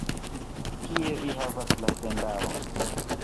Kie vi havas la tendaron?